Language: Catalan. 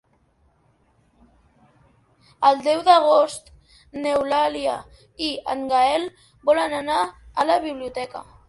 El deu d'agost n'Eulàlia i en Gaël volen anar a la biblioteca.